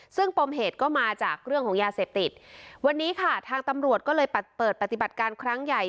ซึ่งปมเหตุก็มาจากเรื่องของยาเสพติดวันนี้ค่ะทางตำรวจก็เลยเปิดปฏิบัติการครั้งใหญ่